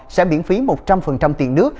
sẽ miễn phí một trăm linh tiền nước